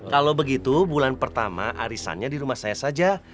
kalau begitu bulan pertama arisannya di rumah saya saja